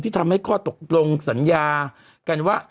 ทำให้ข้อตกลงสัญญากันว่า